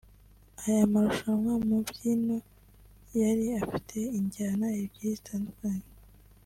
Aya marushanwa mu mbyino yari afite injyana ebyiri zitandukanye